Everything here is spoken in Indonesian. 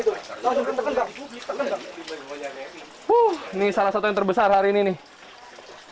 ini salah satu yang terbesar hari ini nih